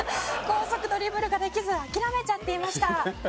「高速ドリブルができず諦めちゃっていました」